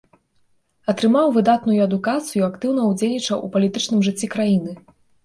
Атрымаў выдатную адукацыю, актыўна ўдзельнічаў у палітычным жыцці краіны.